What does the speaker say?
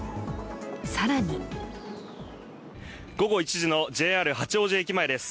更に午後１時のＪＲ八王子駅前です。